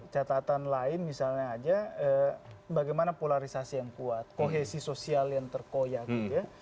catatan lain misalnya aja bagaimana polarisasi yang kuat kohesi sosial yang terkoyak gitu ya